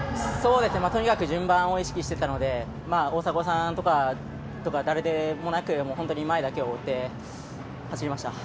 順番を意識していたので大迫さんとか誰でもなく前だけを追って走りました。